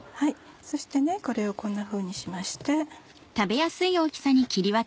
そしてこれをこんなふうにしまして。